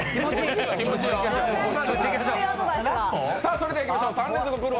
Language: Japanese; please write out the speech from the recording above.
それではいきましょう。